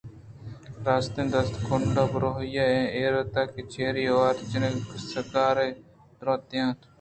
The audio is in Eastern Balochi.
راستیں دست کوٛنڈ ءِ بروبری ءَ ایر اَت کہ چرائی آ ورجینا سگارے دُوت دیان اَت